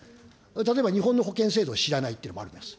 例えば日本の保険制度を知らないというのもあります。